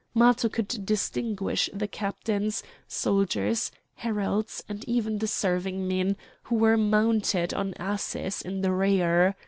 Matho could distinguish the captains, soldiers, heralds, and even the serving men, who were mounted on asses in the rear.